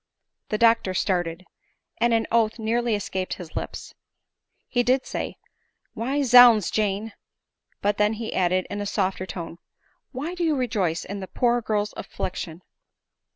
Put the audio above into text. The doctor started ; and an oath nearly escaped his lips. He did say, " Why, zounds, Jane !—" but then he added, in a softer tone, " why do you rejoice in the poor girl's affliction